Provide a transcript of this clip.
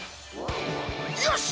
よし！